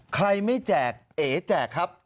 ใครไม่แจกเอ๋แจกครับ